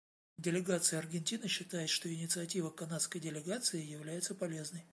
Делегация Аргентины считает, что инициатива канадской делегации является полезной.